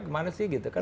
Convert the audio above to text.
kemana sih gitu kan